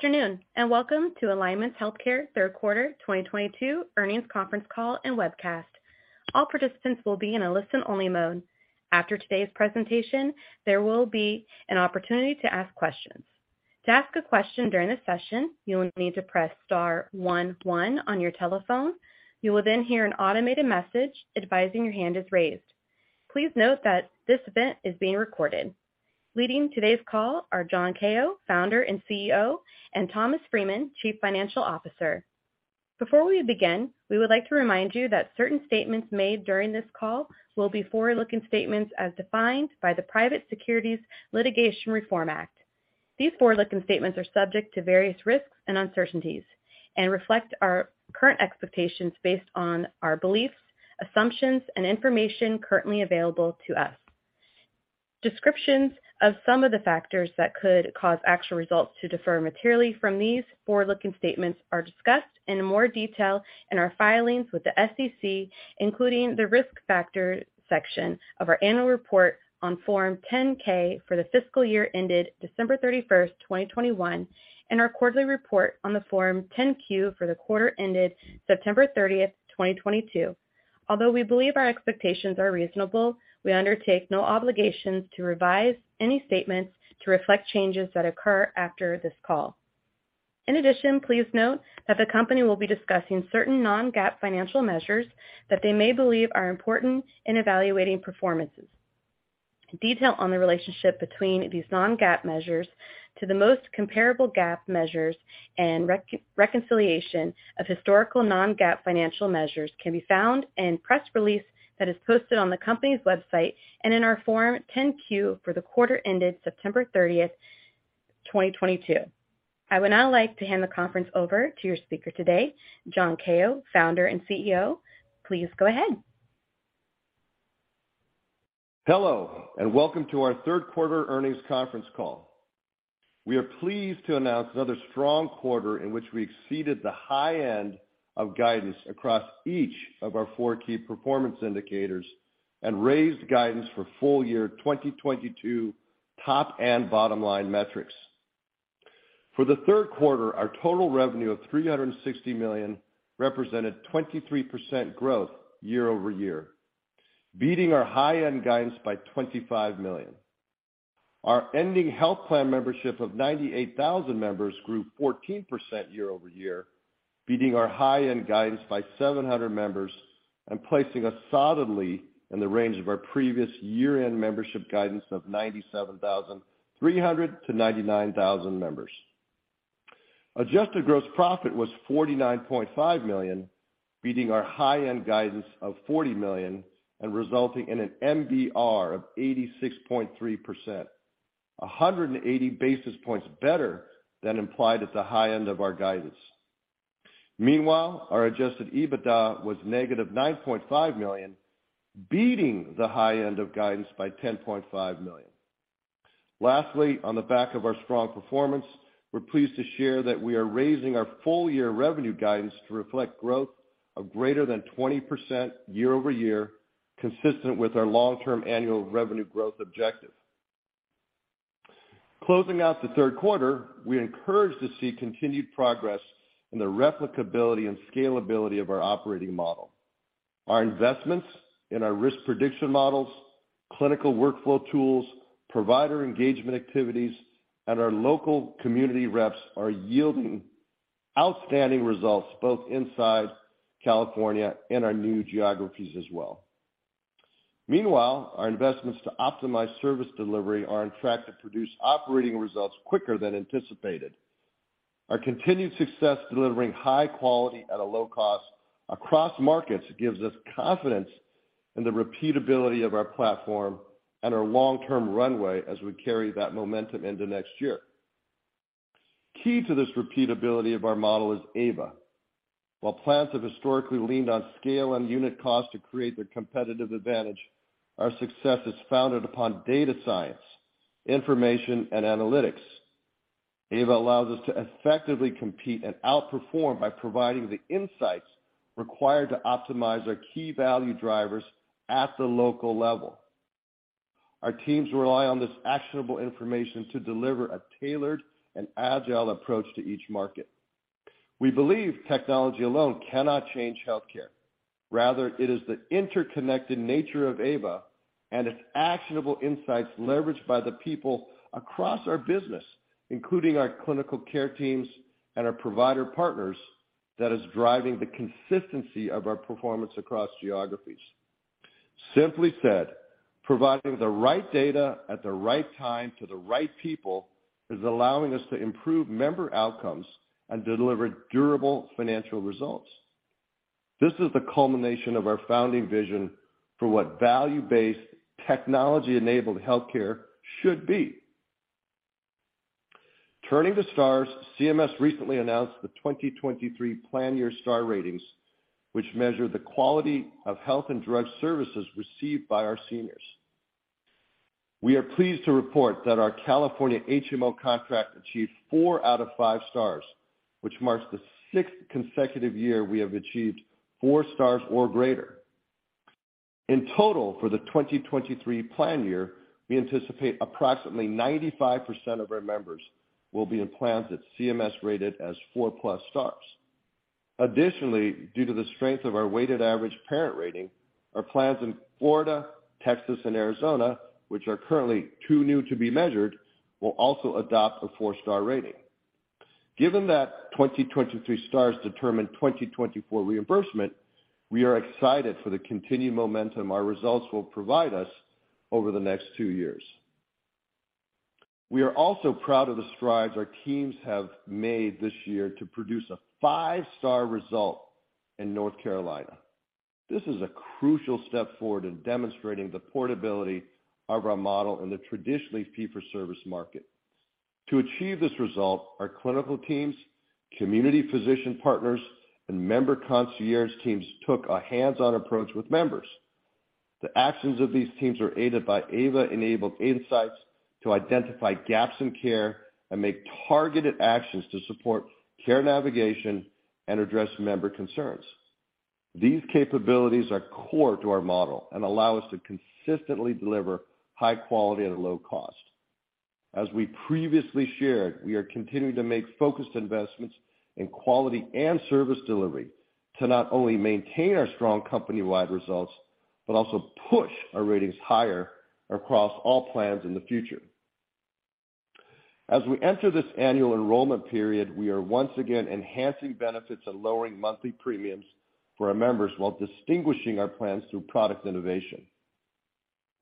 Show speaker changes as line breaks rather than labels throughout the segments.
Good afternoon, and welcome to Alignment Healthcare Third Quarter 2022 Earnings Conference Call and Webcast. All participants will be in a listen-only mode. After today's presentation, there will be an opportunity to ask questions. To ask a question during the session, you will need to press star one one on your telephone. You will then hear an automated message advising your hand is raised. Please note that this event is being recorded. Leading today's call are John Kao, founder and CEO, and Thomas Freeman, Chief Financial Officer. Before we begin, we would like to remind you that certain statements made during this call will be forward-looking statements as defined by the Private Securities Litigation Reform Act. These forward-looking statements are subject to various risks and uncertainties and reflect our current expectations based on our beliefs, assumptions, and information currently available to us. Descriptions of some of the factors that could cause actual results to differ materially from these forward-looking statements are discussed in more detail in our filings with the SEC, including the Risk Factors section of our annual report on Form 10-K for the fiscal year ended December 31, 2021, and our quarterly report on the Form 10-Q for the quarter ended September 30, 2022. Although we believe our expectations are reasonable, we undertake no obligations to revise any statements to reflect changes that occur after this call. In addition, please note that the company will be discussing certain non-GAAP financial measures that they may believe are important in evaluating performance. Details on the relationship between these non-GAAP measures to the most comparable GAAP measures and reconciliation of historical non-GAAP financial measures can be found in press release that is posted on the company's website and in our Form 10-Q for the quarter ended September 30, 2022. I would now like to hand the conference over to your speaker today, John Kao, Founder and CEO. Please go ahead.
Hello, and welcome to our third quarter earnings conference call. We are pleased to announce another strong quarter in which we exceeded the high end of guidance across each of our four key performance indicators and raised guidance for full year 2022, top and bottom line metrics. For the third quarter, our total revenue of $360 million represented 23% growth year-over-year, beating our high-end guidance by $25 million. Our ending health plan membership of 98,000 members grew 14% year-over-year, beating our high-end guidance by 700 members and placing us solidly in the range of our previous year-end membership guidance of 97,300 to 99,000 members. Adjusted gross profit was $49.5 million, beating our high-end guidance of $40 million and resulting in an MBR of 86.3%, 180 basis points better than implied at the high end of our guidance. Meanwhile, our adjusted EBITDA was -$9.5 million, beating the high end of guidance by $10.5 million. Lastly, on the back of our strong performance, we're pleased to share that we are raising our full year revenue guidance to reflect growth of greater than 20% year-over-year, consistent with our long-term annual revenue growth objective. Closing out the third quarter, we're encouraged to see continued progress in the replicability and scalability of our operating model. Our investments in our risk prediction models, clinical workflow tools, provider engagement activities, and our local community reps are yielding outstanding results both inside California and our new geographies as well. Meanwhile, our investments to optimize service delivery are on track to produce operating results quicker than anticipated. Our continued success delivering high quality at a low cost across markets gives us confidence in the repeatability of our platform and our long-term runway as we carry that momentum into next year. Key to this repeatability of our model is AVA. While plans have historically leaned on scale and unit cost to create their competitive advantage, our success is founded upon data science, information, and analytics. AVA allows us to effectively compete and outperform by providing the insights required to optimize our key value drivers at the local level. Our teams rely on this actionable information to deliver a tailored and agile approach to each market. We believe technology alone cannot change healthcare. Rather, it is the interconnected nature of AVA and its actionable insights leveraged by the people across our business, including our clinical care teams and our provider partners, that is driving the consistency of our performance across geographies. Simply said, providing the right data at the right time to the right people is allowing us to improve member outcomes and deliver durable financial results. This is the culmination of our founding vision for what value-based technology-enabled healthcare should be. Turning to Stars, CMS recently announced the 2023 plan year Star Ratings, which measure the quality of health and drug services received by our seniors. We are pleased to report that our California HMO contract achieved 4 out of 5 stars, which marks the sixth consecutive year we have achieved 4 stars or greater. In total, for the 2023 plan year, we anticipate approximately 95% of our members will be in plans that CMS rated as 4+ stars. Additionally, due to the strength of our weighted average parent rating, our plans in Florida, Texas, and Arizona, which are currently too new to be measured, will also adopt a 4-star rating. Given that 2023 stars determine 2024 reimbursement, we are excited for the continued momentum our results will provide us over the next two years. We are also proud of the strides our teams have made this year to produce a 5-star result in North Carolina. This is a crucial step forward in demonstrating the portability of our model in the traditionally fee-for-service market. To achieve this result, our clinical teams, community physician partners, and member concierge teams took a hands-on approach with members. The actions of these teams are aided by AVA-enabled insights to identify gaps in care and make targeted actions to support care navigation and address member concerns. These capabilities are core to our model and allow us to consistently deliver high quality at a low cost. As we previously shared, we are continuing to make focused investments in quality and service delivery to not only maintain our strong company-wide results, but also push our ratings higher across all plans in the future. As we enter this annual enrollment period, we are once again enhancing benefits and lowering monthly premiums for our members while distinguishing our plans through product innovation.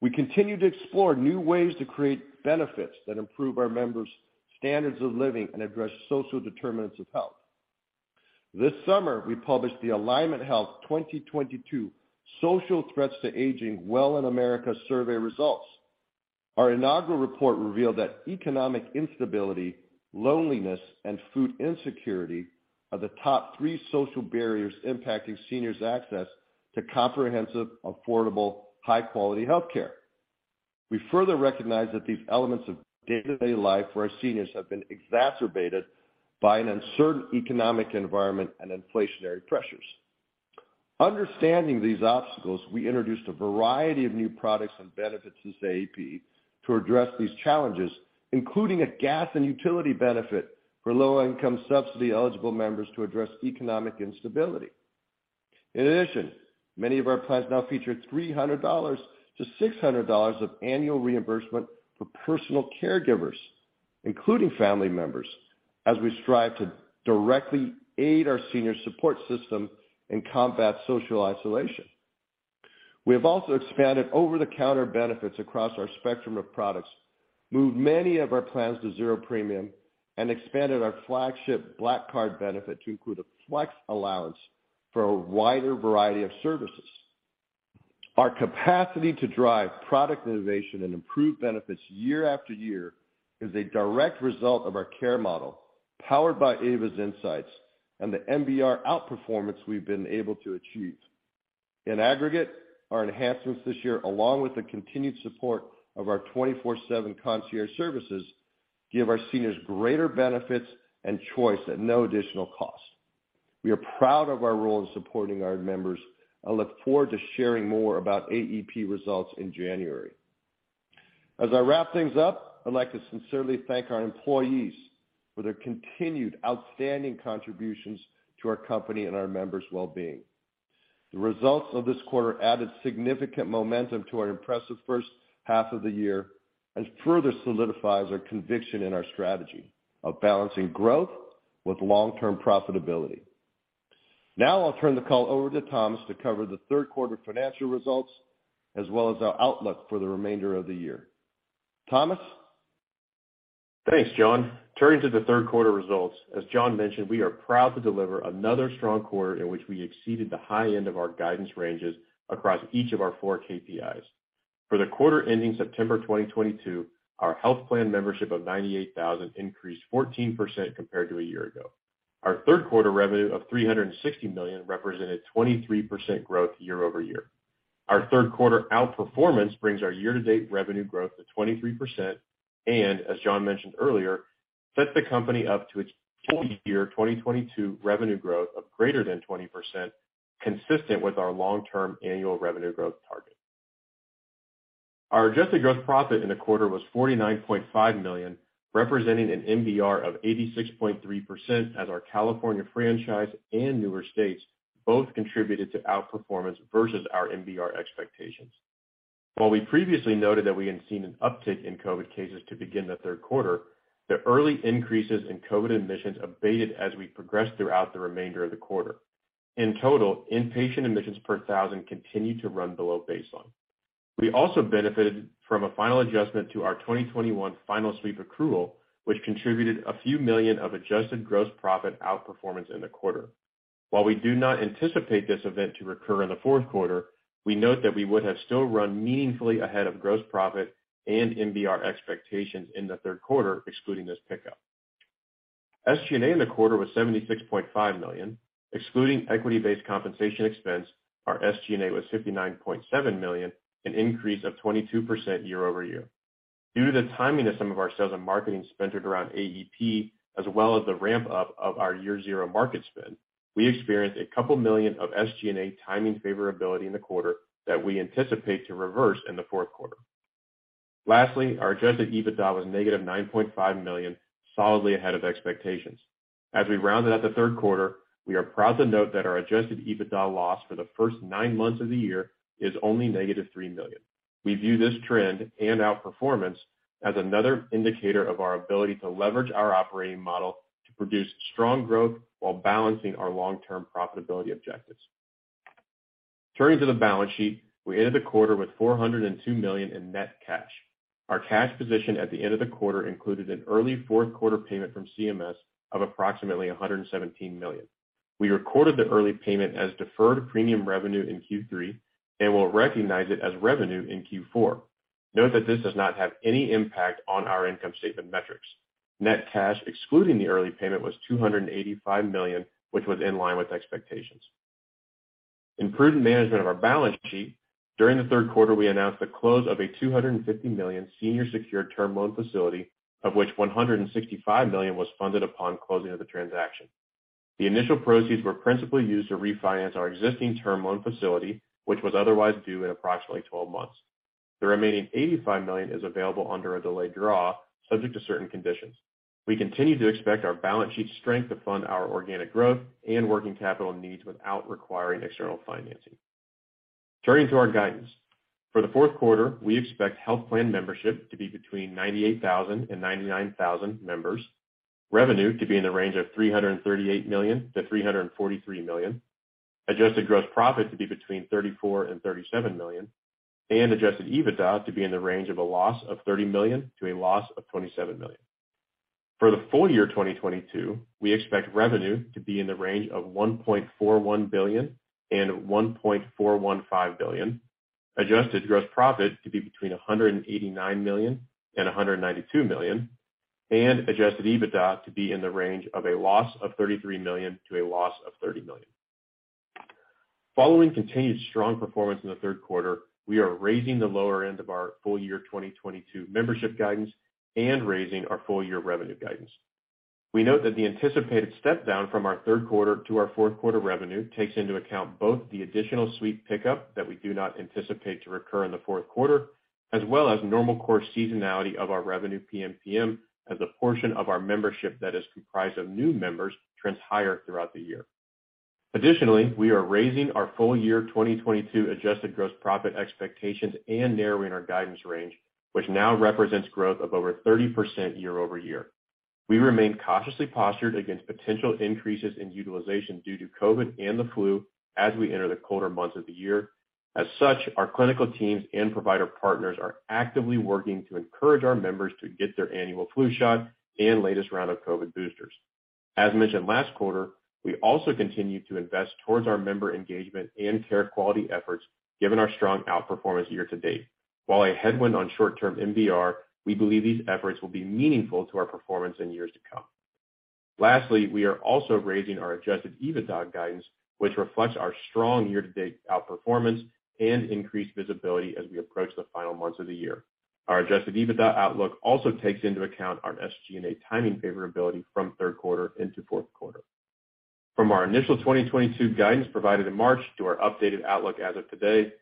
We continue to explore new ways to create benefits that improve our members' standards of living and address social determinants of health. This summer, we published the Alignment Health 2022 Social Threats to Aging Well in America survey results. Our inaugural report revealed that economic instability, loneliness, and food insecurity are the top three social barriers impacting seniors' access to comprehensive, affordable, high-quality healthcare. We further recognize that these elements of day-to-day life for our seniors have been exacerbated by an uncertain economic environment and inflationary pressures. Understanding these obstacles, we introduced a variety of new products and benefits this AEP to address these challenges, including a gas and utility benefit for low-income subsidy-eligible members to address economic instability. In addition, many of our plans now feature $300 to $600 of annual reimbursement for personal caregivers, including family members, as we strive to directly aid our seniors' support system and combat social isolation. We have also expanded over-the-counter benefits across our spectrum of products, moved many of our plans to $0 premium, and expanded our flagship Black Card benefit to include a flex allowance for a wider variety of services. Our capacity to drive product innovation and improve benefits year after year is a direct result of our care model, powered by AVA's insights and the MBR outperformance we've been able to achieve. In aggregate, our enhancements this year, along with the continued support of our 24/7 concierge services, give our seniors greater benefits and choice at no additional cost. We are proud of our role in supporting our members and look forward to sharing more about AEP results in January. As I wrap things up, I'd like to sincerely thank our employees for their continued outstanding contributions to our company and our members' well-being. The results of this quarter added significant momentum to our impressive first half of the year and further solidifies our conviction in our strategy of balancing growth with long-term profitability. Now I'll turn the call over to Thomas to cover the third quarter financial results, as well as our outlook for the remainder of the year. Thomas?
Thanks, John. Turning to the third quarter results, as John mentioned, we are proud to deliver another strong quarter in which we exceeded the high end of our guidance ranges across each of our four KPIs. For the quarter ending September 2022, our health plan membership of 98,000 increased 14% compared to a year ago. Our third quarter revenue of $360 million represented 23% growth year-over-year. Our third quarter outperformance brings our year-to-date revenue growth to 23% and, as John mentioned earlier, sets the company up to its full year 2022 revenue growth of greater than 20%, consistent with our long-term annual revenue growth target. Our adjusted gross profit in the quarter was $49.5 million, representing an MBR of 86.3% as our California franchise and newer states both contributed to outperformance versus our MBR expectations. While we previously noted that we had seen an uptick in COVID cases to begin the third quarter, the early increases in COVID admissions abated as we progressed throughout the remainder of the quarter. In total, inpatient admissions per thousand continued to run below baseline. We also benefited from a final adjustment to our 2021 final sweep accrual, which contributed a few million of adjusted gross profit outperformance in the quarter. While we do not anticipate this event to recur in the fourth quarter, we note that we would have still run meaningfully ahead of gross profit and MBR expectations in the third quarter, excluding this pickup. SG&A in the quarter was $76.5 million. Excluding equity-based compensation expense, our SG&A was $59.7 million, an increase of 22% year-over-year. Due to the timing of some of our sales and marketing centered around AEP, as well as the ramp up of our year zero market spend, we experienced a couple million of SG&A timing favorability in the quarter that we anticipate to reverse in the fourth quarter. Lastly, our adjusted EBITDA was -$9.5 million, solidly ahead of expectations. As we rounded out the third quarter, we are proud to note that our adjusted EBITDA loss for the first 9 months of the year is only -$3 million. We view this trend and outperformance as another indicator of our ability to leverage our operating model to produce strong growth while balancing our long-term profitability objectives. Turning to the balance sheet, we ended the quarter with $402 million in net cash. Our cash position at the end of the quarter included an early fourth quarter payment from CMS of approximately $117 million. We recorded the early payment as deferred premium revenue in Q3, and we'll recognize it as revenue in Q4. Note that this does not have any impact on our income statement metrics. Net cash, excluding the early payment, was $285 million, which was in line with expectations. In prudent management of our balance sheet, during the third quarter, we announced the close of a $250 million senior secured term loan facility, of which $165 million was funded upon closing of the transaction. The initial proceeds were principally used to refinance our existing term loan facility, which was otherwise due in approximately 12 months. The remaining $85 million is available under a delayed draw, subject to certain conditions. We continue to expect our balance sheet strength to fund our organic growth and working capital needs without requiring external financing. Turning to our guidance. For the fourth quarter, we expect health plan membership to be between 98,000 and 99,000 members, revenue to be in the range of $338 million to $343 million, adjusted gross profit to be between $34 million to $37 million, and adjusted EBITDA to be in the range of a loss of $30 million to a loss of $27 million. For the full year 2022, we expect revenue to be in the range of $1.41 billion to $1.415 billion, adjusted gross profit to be between $189 million to $192 million, and adjusted EBITDA to be in the range of a loss of $33 million to a loss of $30 million. Following continued strong performance in the third quarter, we are raising the lower end of our full year 2022 membership guidance and raising our full year revenue guidance. We note that the anticipated step down from our third quarter to our fourth quarter revenue takes into account both the additional sweep pickup that we do not anticipate to recur in the fourth quarter, as well as normal course seasonality of our revenue PMPM as a portion of our membership that is comprised of new members trends higher throughout the year. Additionally, we are raising our full year 2022 adjusted gross profit expectations and narrowing our guidance range, which now represents growth of over 30% year-over-year. We remain cautiously postured against potential increases in utilization due to COVID and the flu as we enter the colder months of the year. As such, our clinical teams and provider partners are actively working to encourage our members to get their annual flu shot and latest round of COVID boosters. As mentioned last quarter, we also continue to invest towards our member engagement and care quality efforts given our strong outperformance year to date. While a headwind on short-term MBR, we believe these efforts will be meaningful to our performance in years to come. Lastly, we are also raising our adjusted EBITDA guidance, which reflects our strong year-to-date outperformance and increased visibility as we approach the final months of the year. Our adjusted EBITDA outlook also takes into account our SG&A timing favorability from third quarter into fourth quarter. From our initial 2022 guidance provided in March to our updated outlook as of today,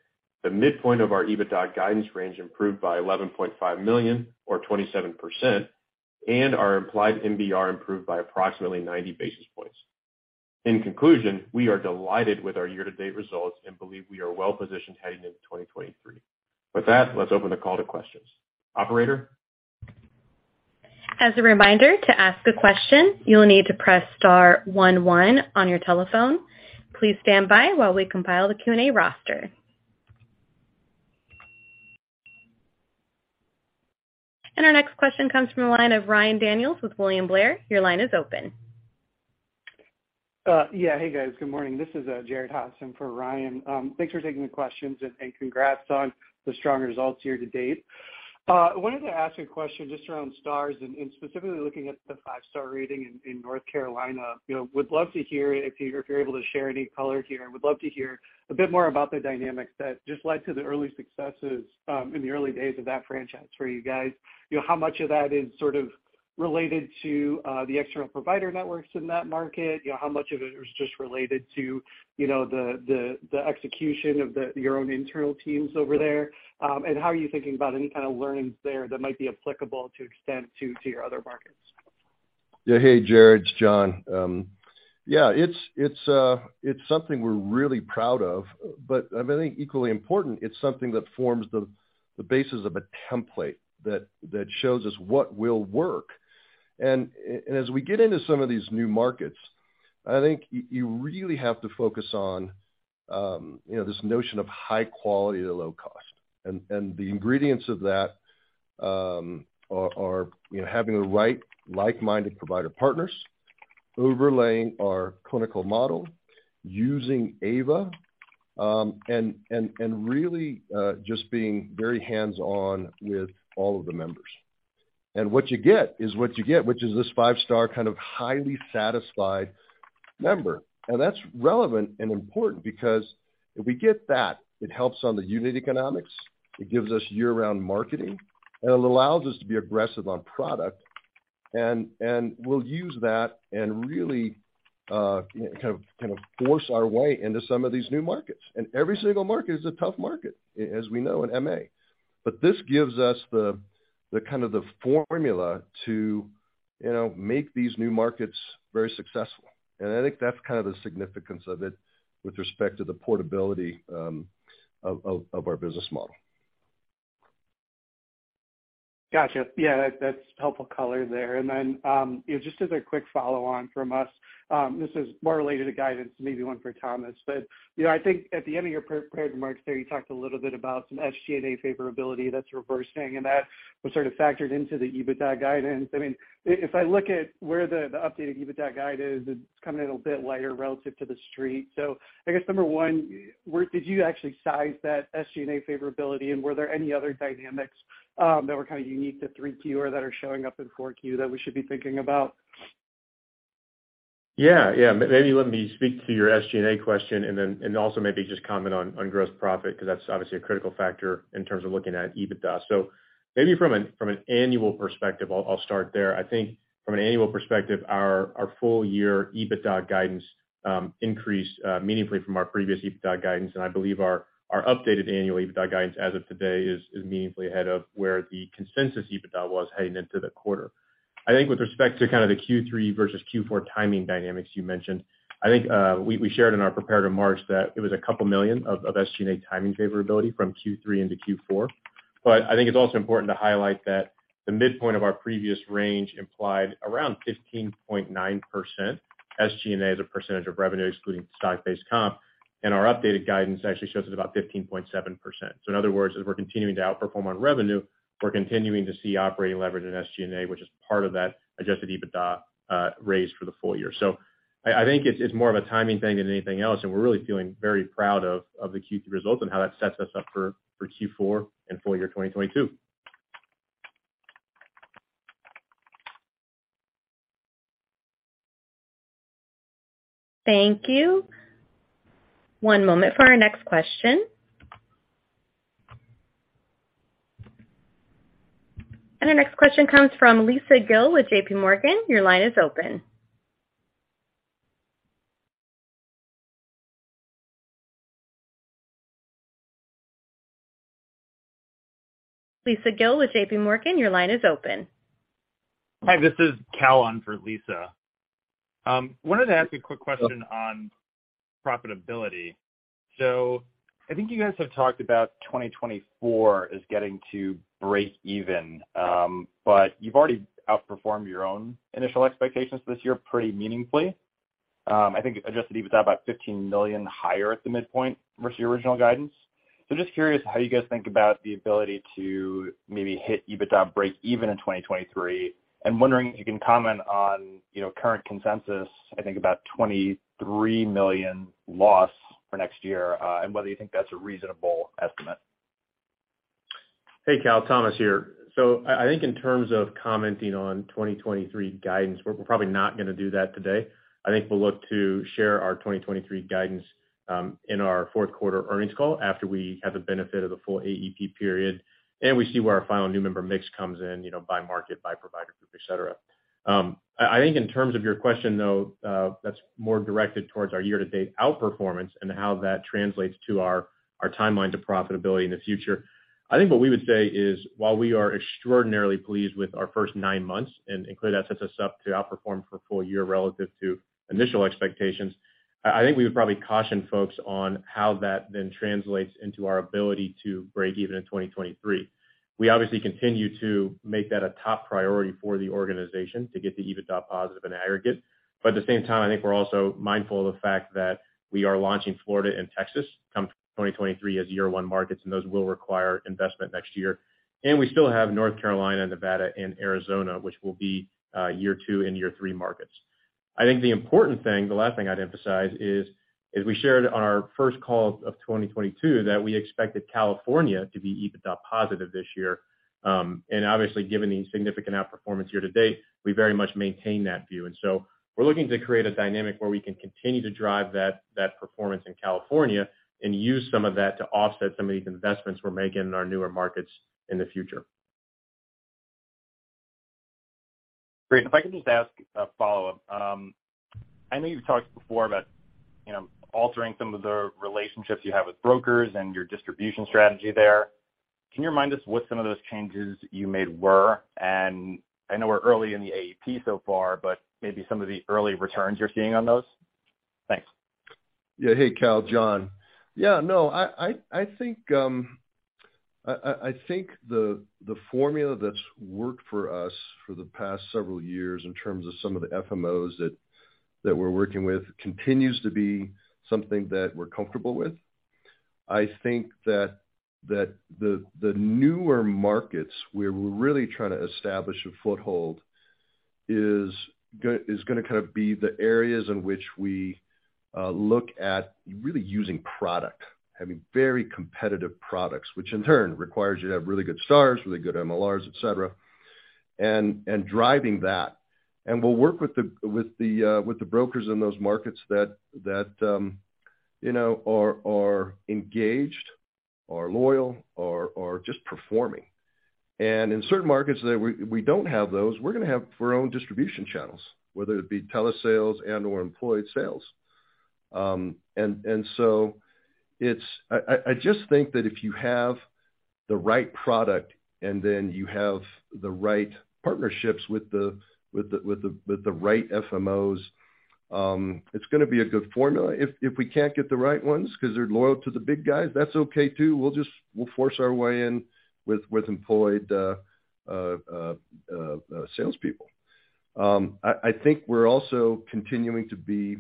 the midpoint of our EBITDA guidance range improved by $11.5 million or 27%, and our implied MBR improved by approximately 90 basis points. In conclusion, we are delighted with our year-to-date results and believe we are well positioned heading into 2023. With that, let's open the call to questions. Operator?
As a reminder, to ask a question, you'll need to press star one one on your telephone. Please stand by while we compile the Q&A roster. Our next question comes from the line of Ryan Daniels with William Blair. Your line is open.
Yeah. Hey, guys. Good morning. This is Jared Haase for Ryan. Thanks for taking the questions and congrats on the strong results year to date. Wanted to ask a question just around Stars and specifically looking at the five-star rating in North Carolina. You know, would love to hear if you're able to share any color here. Would love to hear a bit more about the dynamics that just led to the early successes in the early days of that franchise for you guys. You know, how much of that is sort of related to the external provider networks in that market? You know, how much of it is just related to the execution of your own internal teams over there? How are you thinking about any kind of learnings there that might be applicable to extend to your other markets?
Yeah. Hey, Jared, it's John. Yeah, it's something we're really proud of, but I think equally important, it's something that forms the basis of a template that shows us what will work. As we get into some of these new markets, I think you really have to focus on, you know, this notion of high quality to low cost. The ingredients of that are, you know, having the right like-minded provider partners, overlaying our clinical model, using AVA, and really just being very hands-on with all of the members. What you get is what you get, which is this five-star kind of highly satisfied member. That's relevant and important because if we get that, it helps on the unit economics, it gives us year-round marketing, and it allows us to be aggressive on product. We'll use that and really kind of force our way into some of these new markets. Every single market is a tough market, as we know in MA. But this gives us the kind of formula to you know make these new markets very successful. I think that's kind of the significance of it with respect to the portability of our business model.
Gotcha. Yeah, that's helpful color there. You know, just as a quick follow on from us, this is more related to guidance, maybe one for Thomas. You know, I think at the end of your pre-prepared remarks today, you talked a little bit about some SG&A favorability that's reversing, and that was sort of factored into the EBITDA guidance. I mean, if I look at where the updated EBITDA guide is, it's coming in a bit lighter relative to the street. I guess number one, where did you actually size that SG&A favorability, and were there any other dynamics that were kind of unique to 3Q or that are showing up in 4Q that we should be thinking about?
Maybe let me speak to your SG&A question and then also maybe just comment on gross profit, 'cause that's obviously a critical factor in terms of looking at EBITDA. Maybe from an annual perspective, I'll start there. I think from an annual perspective, our full year EBITDA guidance increased meaningfully from our previous EBITDA guidance, and I believe our updated annual EBITDA guidance as of today is meaningfully ahead of where the consensus EBITDA was heading into the quarter. I think with respect to kind of the Q3 versus Q4 timing dynamics you mentioned, we shared in our prepared remarks that it was a couple million of SG&A timing favorability from Q3 into Q4. I think it's also important to highlight that the midpoint of our previous range implied around 15.9% SG&A as a percentage of revenue, excluding stock-based comp. Our updated guidance actually shows at about 15.7%. In other words, as we're continuing to outperform on revenue, we're continuing to see operating leverage in SG&A, which is part of that adjusted EBITDA raise for the full year. I think it's more of a timing thing than anything else, and we're really feeling very proud of the Q3 results and how that sets us up for Q4 and full year 2022.
Thank you. One moment for our next question. Our next question comes from Lisa Gill with JPMorgan. Your line is open. Lisa Gill with JP Morgan, your line is open.
Hi, this is Cal on for Lisa. Wanted to ask a quick question on profitability. I think you guys have talked about 2024 as getting to breakeven, but you've already outperformed your own initial expectations this year pretty meaningfully. I think adjusted EBITDA about $15 million higher at the midpoint versus your original guidance. Just curious how you guys think about the ability to maybe hit EBITDA breakeven in 2023. Wondering if you can comment on, you know, current consensus, I think about $23 million loss for next year, and whether you think that's a reasonable estimate.
Hey, Cal, Thomas here. I think in terms of commenting on 2023 guidance, we're probably not gonna do that today. I think we'll look to share our 2023 guidance in our fourth quarter earnings call after we have the benefit of the full AEP period, and we see where our final new member mix comes in, you know, by market, by provider group, et cetera. I think in terms of your question, though, that's more directed towards our year-to-date outperformance and how that translates to our timeline to profitability in the future. I think what we would say is, while we are extraordinarily pleased with our first nine months, and including that sets us up to outperform for a full year relative to initial expectations, I think we would probably caution folks on how that then translates into our ability to break even in 2023. We obviously continue to make that a top priority for the organization to get the EBITDA positive in aggregate. At the same time, I think we're also mindful of the fact that we are launching Florida and Texas come 2023 as year one markets, and those will require investment next year. We still have North Carolina, Nevada, and Arizona, which will be year two and year three markets. I think the important thing, the last thing I'd emphasize is, as we shared on our first call of 2022, that we expected California to be EBITDA positive this year. Obviously, given the significant outperformance here to date, we very much maintain that view. We're looking to create a dynamic where we can continue to drive that performance in California and use some of that to offset some of these investments we're making in our newer markets in the future.
Great. If I could just ask a follow-up. I know you've talked before about, you know, altering some of the relationships you have with brokers and your distribution strategy there. Can you remind us what some of those changes you made were? I know we're early in the AEP so far, but maybe some of the early returns you're seeing on those? Thanks.
Yeah. Hey, Cal, John. Yeah, no, I think the formula that's worked for us for the past several years in terms of some of the FMOs that we're working with continues to be something that we're comfortable with. I think that the newer markets where we're really trying to establish a foothold is gonna kind of be the areas in which we look at really using product, having very competitive products, which in turn requires you to have really good Stars, really good MLRs, et cetera, and driving that. We'll work with the brokers in those markets that you know are engaged, are loyal, are just performing. In certain markets that we don't have those, we're gonna have our own distribution channels, whether it be telesales and/or employed sales. I just think that if you have the right product and then you have the right partnerships with the right FMOs, it's gonna be a good formula. If we can't get the right ones 'cause they're loyal to the big guys, that's okay too. We'll just force our way in with employed salespeople. I think we're also continuing to be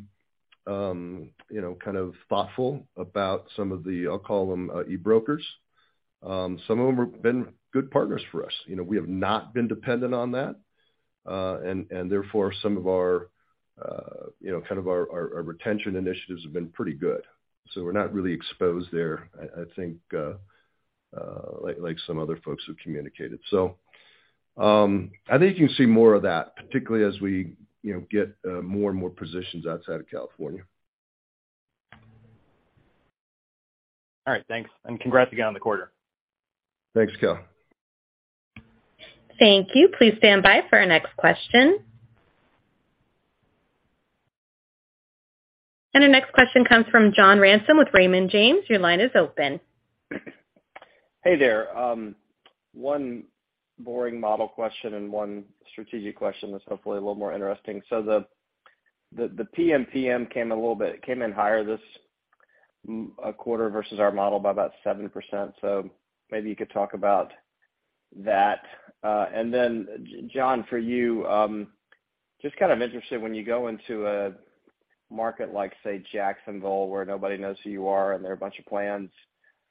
you know, kind of thoughtful about some of the, I'll call them, e-brokers. Some of them have been good partners for us. You know, we have not been dependent on that, and therefore, some of our, you know, kind of our retention initiatives have been pretty good. We're not really exposed there, I think, like some other folks who communicated. I think you can see more of that, particularly as we, you know, get more and more positions outside of California.
All right. Thanks. Congrats again on the quarter.
Thanks, Cal.
Thank you. Please stand by for our next question. Our next question comes from John Ransom with Raymond James. Your line is open.
Hey there. One boring model question and one strategic question that's hopefully a little more interesting. The PMPM came in higher this quarter versus our model by about 7%. Maybe you could talk about that. John, for you, just kind of interested when you go into a market like, say, Jacksonville, where nobody knows who you are, and there are a bunch of plans,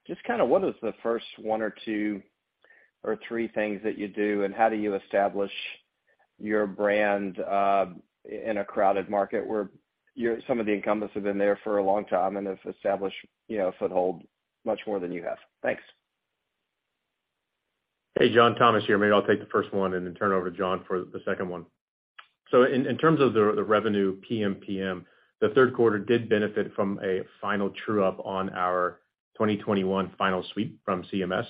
just kind of what is the first one or two or three things that you do, and how do you establish your brand in a crowded market where you're some of the incumbents have been there for a long time and have established, you know, foothold much more than you have? Thanks.
Hey, John, Thomas here. Maybe I'll take the first one and then turn it over to John for the second one. In terms of the revenue PMPM, the third quarter did benefit from a final true-up on our 2021 final sweep from CMS.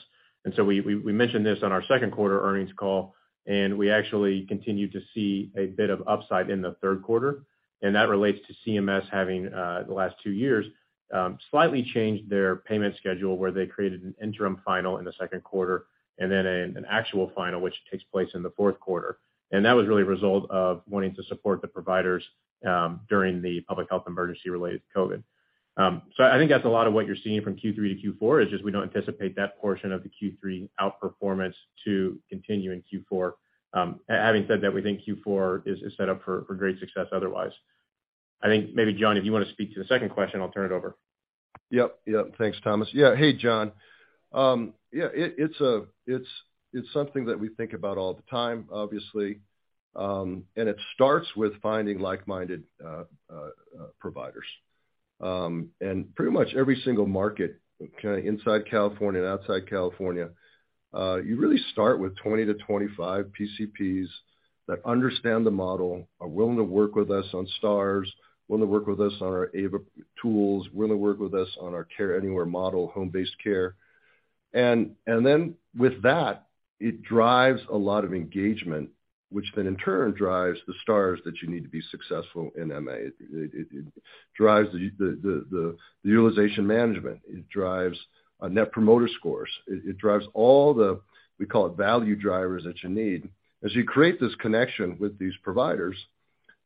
We mentioned this on our second quarter earnings call, and we actually continued to see a bit of upside in the third quarter, and that relates to CMS having the last two years slightly changed their payment schedule, where they created an interim final in the second quarter and then an actual final, which takes place in the fourth quarter. That was really a result of wanting to support the providers during the public health emergency related to COVID.
I think that's a lot of what you're seeing from Q3 to Q4, is just we don't anticipate that portion of the Q3 outperformance to continue in Q4. Having said that, we think Q4 is set up for great success otherwise.
I think maybe, John, if you wanna speak to the second question, I'll turn it over.
Yep. Thanks, Thomas. Yeah. Hey, John. Yeah, it's something that we think about all the time, obviously, and it starts with finding like-minded providers. Pretty much every single market kinda inside California and outside California, you really start with 20-25 PCPs that understand the model, are willing to work with us on Stars, willing to work with us on our AVA tools, willing to work with us on our Care Anywhere model, home-based care. With that, it drives a lot of engagement, which then in turn drives the Stars that you need to be successful in MA. It drives the utilization management. It drives Net Promoter Scores. It drives all the value drivers that you need as you create this connection with these providers.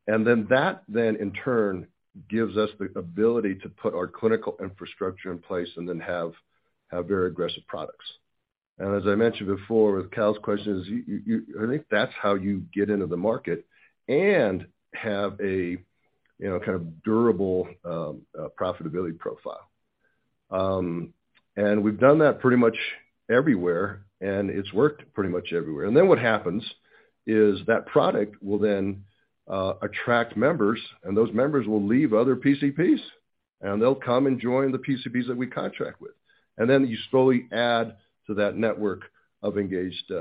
That in turn gives us the ability to put our clinical infrastructure in place and then have very aggressive products. As I mentioned before with Cal's questions, I think that's how you get into the market and have a, you know, kind of durable profitability profile. We've done that pretty much everywhere, and it's worked pretty much everywhere. What happens is that product will then attract members, and those members will leave other PCPs, and they'll come and join the PCPs that we contract with. You slowly add to that network of engaged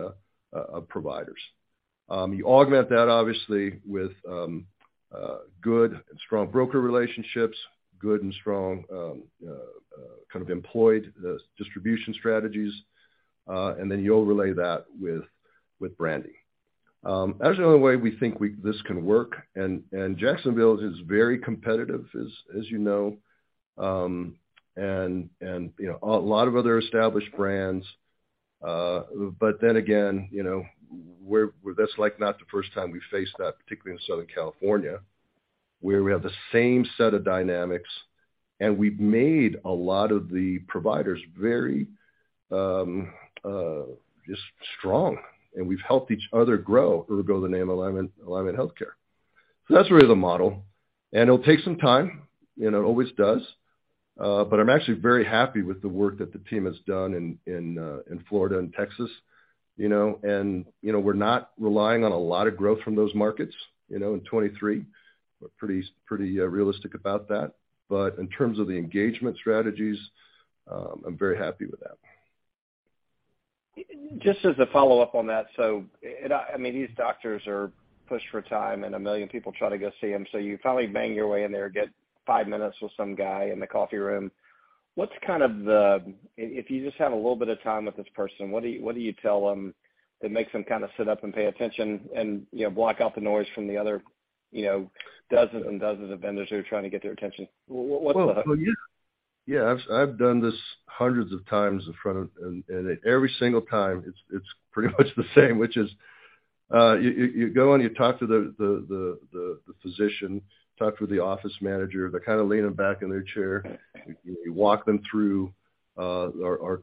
providers. You augment that obviously with good and strong broker relationships, good and strong kind of employed distribution strategies, and then you overlay that with branding. That's the only way we think this can work. Jacksonville is very competitive, as you know, and you know, a lot of other established brands. But then again, you know, that's like not the first time we've faced that, particularly in Southern California, where we have the same set of dynamics and we've made a lot of the providers very just strong. We've helped each other grow. We'll go to the name Alignment Healthcare. That's really the model, and it'll take some time, you know, it always does. But I'm actually very happy with the work that the team has done in Florida and Texas, you know. You know, we're not relying on a lot of growth from those markets, you know, in 2023. We're pretty realistic about that. In terms of the engagement strategies, I'm very happy with that.
Just as a follow-up on that. I mean, these doctors are pushed for time, and a million people try to go see them, so you finally bang your way in there, get five minutes with some guy in the coffee room. What's kind of the if you just have a little bit of time with this person, what do you tell them that makes them kinda sit up and pay attention and, you know, block out the noise from the other, you know, dozen and dozens of vendors who are trying to get their attention?
Well, yeah. I've done this hundreds of times. Every single time, it's pretty much the same, which is you go, and you talk to the physician, talk to the office manager. They're kinda leaning back in their chair. You walk them through our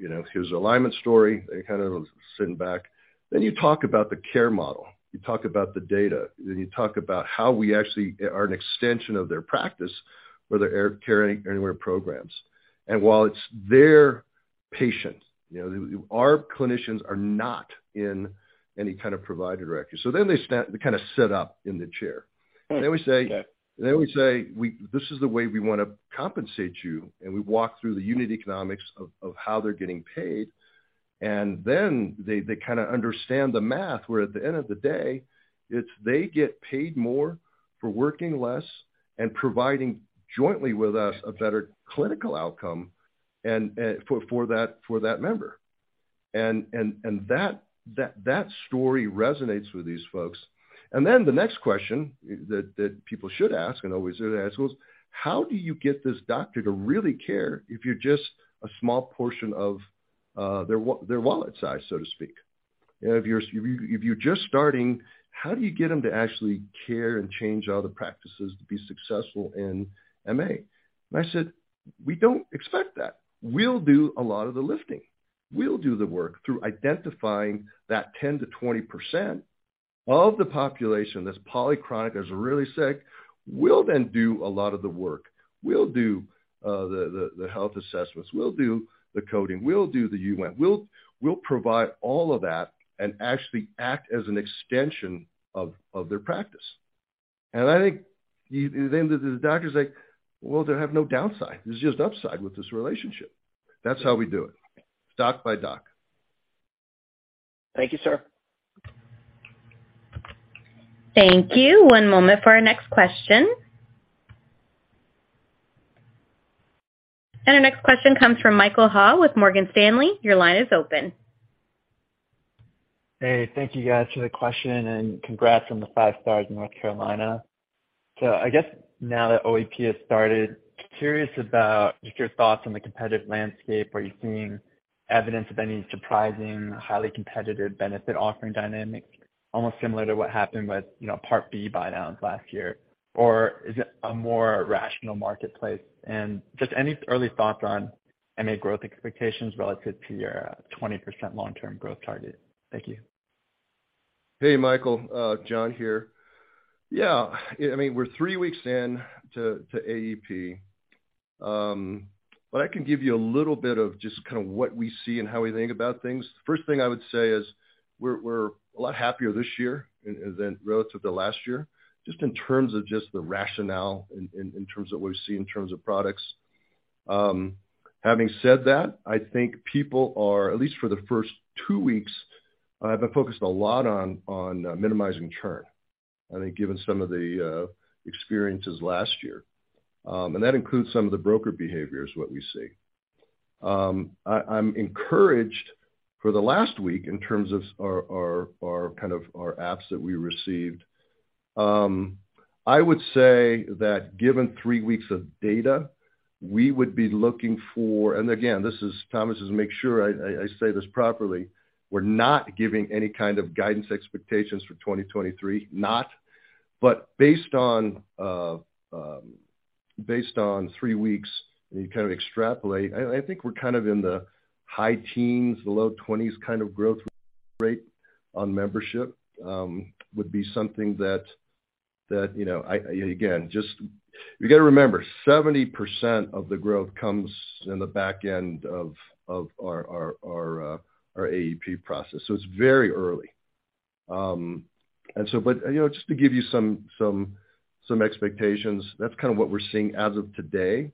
you know, here's the Alignment story. They're kind of sitting back. You talk about the care model, you talk about the data, you talk about how we actually are an extension of their practice with our Care Anywhere programs. While it's their patient, you know, our clinicians are not in any kind of provider directory. They kinda sit up in the chair.
Okay.
We say, "This is the way we wanna compensate you." We walk through the unit economics of how they're getting paid. They kinda understand the math, where at the end of the day, it's they get paid more for working less and providing jointly with us a better clinical outcome for that member. That story resonates with these folks. The next question that people should ask and always do ask was. How do you get this doctor to really care if you're just a small portion of their wallet size, so to speak? You know, if you're just starting, how do you get them to actually care and change all the practices to be successful in MA? I said, "We don't expect that. We'll do a lot of the lifting. We'll do the work through identifying that 10%-20% of the population that's polychronic, that's really sick. We'll then do a lot of the work. We'll do the health assessments. We'll do the coding. We'll do the UM. We'll provide all of that and actually act as an extension of their practice." I think then the doctor say, "Well, they have no downside. There's just upside with this relationship." That's how we do it, doc by doc.
Thank you, sir.
Thank you. One moment for our next question. Our next question comes from Michael Ha with Morgan Stanley. Your line is open.
Hey, thank you guys for the question, and congrats on the five stars in North Carolina. I guess now that AEP has started, curious about just your thoughts on the competitive landscape. Are you seeing evidence of any surprising, highly competitive benefit offering dynamics, almost similar to what happened with, you know, Part B buy downs last year? Or is it a more rational marketplace? Just any early thoughts on MA growth expectations relative to your 20% long-term growth target. Thank you.
Hey, Michael, John here. Yeah. I mean, we're three weeks in to AEP. I can give you a little bit of just kinda what we see and how we think about things. First thing I would say is we're a lot happier this year than relative to last year, just in terms of just the rationale in terms of what we've seen in terms of products. Having said that, I think people are, at least for the first two weeks, have been focused a lot on minimizing churn, I think given some of the experiences last year. That includes some of the broker behaviors, what we see. I'm encouraged for the last week in terms of our kind of apps that we received. I would say that given three weeks of data, we would be looking for. Again, this is Thomas's make sure I say this properly. We're not giving any kind of guidance expectations for 2023. Not. Based on three weeks, and you kind of extrapolate, I think we're kind of in the high teens%-low 20s% kind of growth rate on membership would be something that you know, again, just. You gotta remember, 70% of the growth comes in the back end of our AEP process, so it's very early. But you know, just to give you some expectations, that's kinda what we're seeing as of today.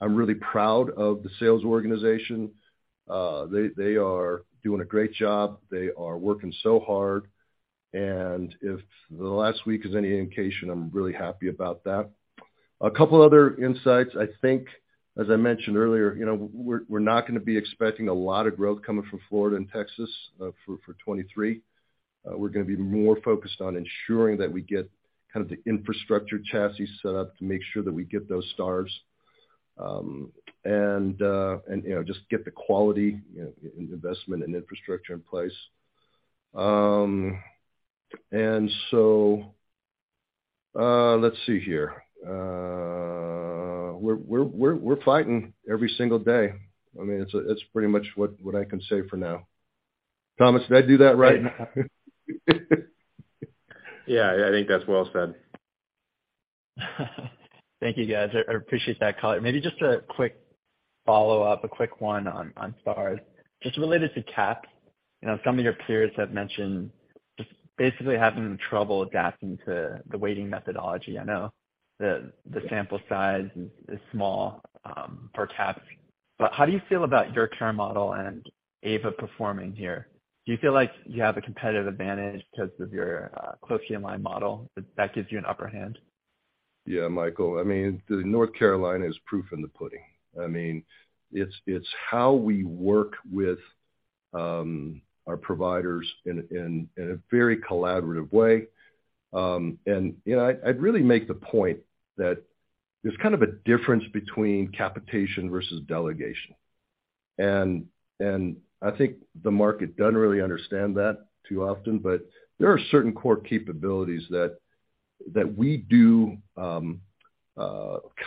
I'm really proud of the sales organization. They are doing a great job. They are working so hard. If the last week is any indication, I'm really happy about that. A couple other insights. I think, as I mentioned earlier, you know, we're not gonna be expecting a lot of growth coming from Florida and Texas for 2023. We're gonna be more focused on ensuring that we get kind of the infrastructure chassis set up to make sure that we get those Stars and you know, just get the quality you know, investment and infrastructure in place. Let's see here. You know, we're fighting every single day. I mean, it's pretty much what I can say for now. Thomas, did I do that right?
Yeah. I think that's well said.
Thank you, guys. I appreciate that. John, maybe just a quick follow-up, a quick one on Stars. Just related to CAHPS. You know, some of your peers have mentioned just basically having trouble adapting to the weighting methodology. I know the sample size is small per CAHPS. But how do you feel about your current model and AVA performing here? Do you feel like you have a competitive advantage because of your closed HMO model that gives you an upper hand?
Yeah, Michael. I mean, North Carolina is proof in the pudding. I mean, it's how we work with our providers in a very collaborative way. You know, I'd really make the point that there's kind of a difference between capitation versus delegation. I think the market doesn't really understand that too often. There are certain core capabilities that we do,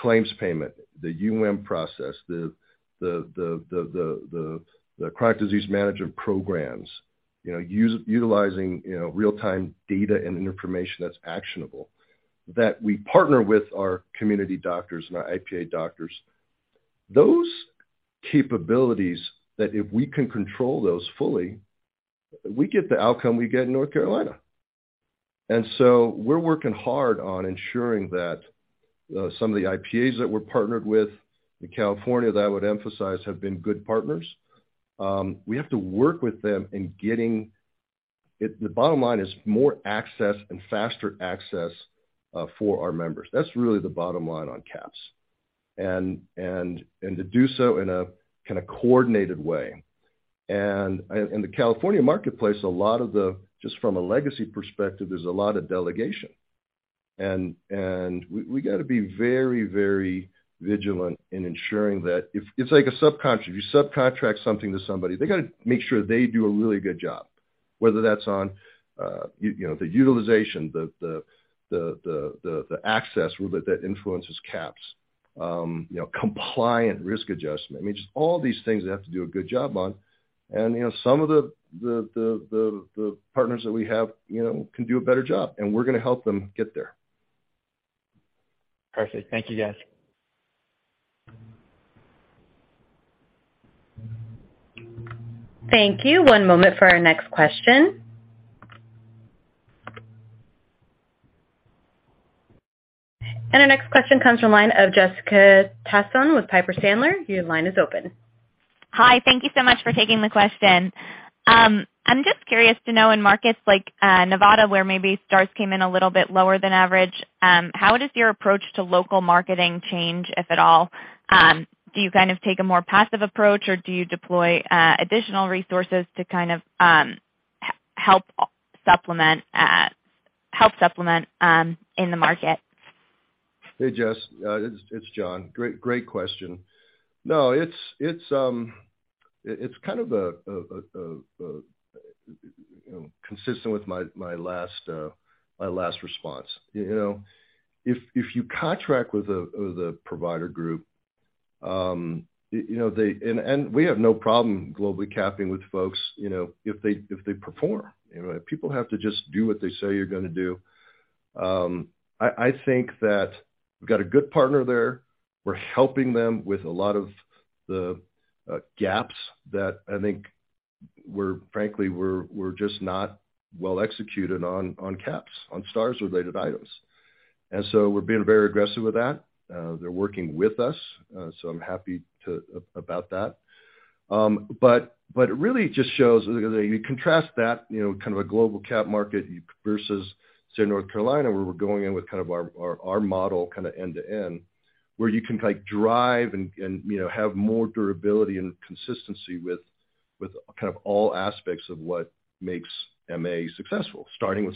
claims payment, the UM process, the chronic disease management programs, you know, utilizing real-time data and information that's actionable, that we partner with our community doctors and our IPA doctors. Those capabilities that if we can control those fully, we get the outcome we get in North Carolina. We're working hard on ensuring that some of the IPAs that we're partnered with in California that I would emphasize have been good partners. We have to work with them. The bottom line is more access and faster access for our members. That's really the bottom line on CAHPS. To do so in a kinda coordinated way. In the California marketplace, a lot of the just from a legacy perspective, there's a lot of delegation. We gotta be very vigilant in ensuring that. It's like a subcontract. If you subcontract something to somebody, they gotta make sure they do a really good job, whether that's on you know the utilization the access that influences CAHPS you know compliant risk adjustment. I mean, just all these things they have to do a good job on. You know, some of the partners that we have, you know, can do a better job, and we're gonna help them get there.
Perfect. Thank you, guys.
Thank you. One moment for our next question. Our next question comes from line of Jessica Tassan with Piper Sandler. Your line is open.
Hi. Thank you so much for taking the question. I'm just curious to know, in markets like Nevada, where maybe Stars came in a little bit lower than average, how does your approach to local marketing change, if at all? Do you kind of take a more passive approach, or do you deploy additional resources to kind of help supplement in the market?
Hey, Jess. It's John. Great question. No, it's kind of a you know, consistent with my last response. You know, if you contract with a provider group, you know, they. We have no problem globally capping with folks, you know, if they perform. You know, if people have to just do what they say you're gonna do. I think that we've got a good partner there. We're helping them with a lot of the gaps that I think we're frankly just not well executed on CAHPS, on Stars related items. We're being very aggressive with that. They're working with us, so I'm happy about that. It really just shows. You contrast that, you know, kind of a global cap market versus say, North Carolina, where we're going in with kind of our model kinda end to end, where you can like drive and you know, have more durability and consistency with kind of all aspects of what makes MA successful, starting with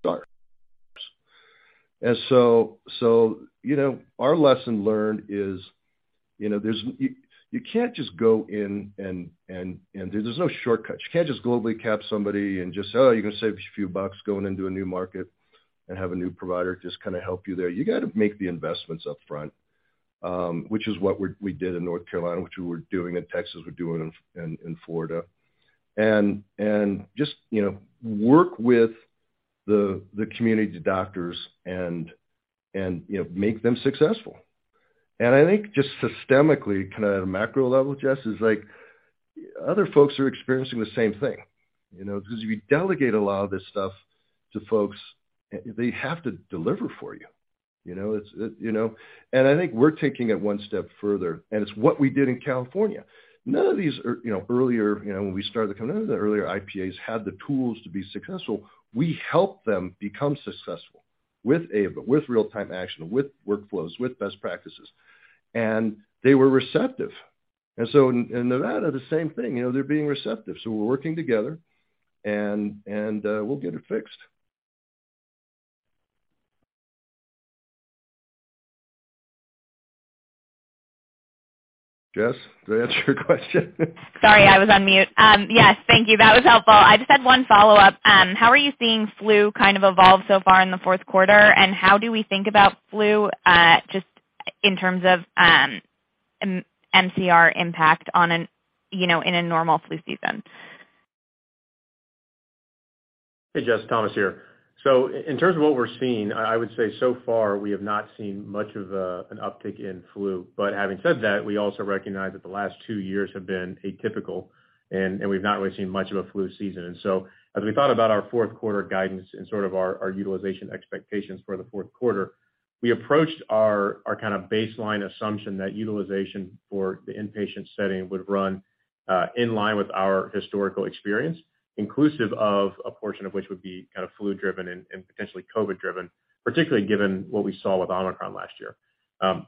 Stars. Our lesson learned is, you know, you can't just go in and there's no shortcut. You can't just globally cap somebody and just, oh, you're gonna save a few bucks going into a new market and have a new provider just kinda help you there. You gotta make the investments upfront, which is what we did in North Carolina, which we're doing in Texas, we're doing in Florida. just, you know, work with the community doctors and, you know, make them successful. I think just systemically, kinda at a macro level, Jess, is like other folks are experiencing the same thing, you know. Because if you delegate a lot of this stuff to folks, they have to deliver for you. You know? It's, you know. I think we're taking it one step further, and it's what we did in California. None of these earlier, you know, when we started the company, none of the earlier IPAs had the tools to be successful. We helped them become successful with AVA, with real-time action, with workflows, with best practices, and they were receptive. in Nevada, the same thing. You know, they're being receptive. we're working together and we'll get it fixed.
Jess, does that answer your question?
Sorry, I was on mute. Yes, thank you. That was helpful. I just had one follow-up. How are you seeing flu kind of evolve so far in the fourth quarter, and how do we think about flu just in terms of MBR impact, you know, in a normal flu season?
Hey, Jess, Thomas here. In terms of what we're seeing, I would say so far we have not seen much of an uptick in flu. Having said that, we also recognize that the last two years have been atypical and we've not really seen much of a flu season. As we thought about our fourth quarter guidance and sort of our utilization expectations for the fourth quarter, we approached our kind of baseline assumption that utilization for the inpatient setting would run in line with our historical experience, inclusive of a portion of which would be kind of flu driven and potentially COVID driven, particularly given what we saw with Omicron last year.